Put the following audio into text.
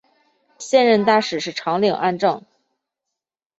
现任大使是长岭安政。